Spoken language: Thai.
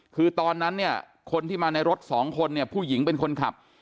คือตอนนั้นคนที่มาในรถ๒คนผู้หญิงเป็นคนขับ